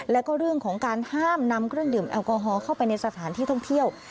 แล้วก็เรื่องของการห้ามนำเครื่องดื่มแอลกอฮอลเข้าไปในสถานที่ท่องเที่ยว